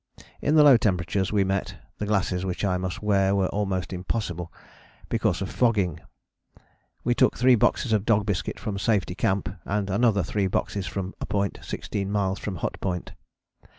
In the low temperatures we met, the glasses which I must wear are almost impossible, because of fogging. We took three boxes of dog biscuit from Safety Camp and another three boxes from a point sixteen miles from Hut Point.